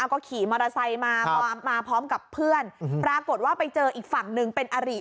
ก็ขี่มอเตอร์ไซค์มามาพร้อมกับเพื่อนปรากฏว่าไปเจออีกฝั่งหนึ่งเป็นอริ